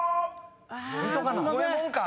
「ごえもん」か？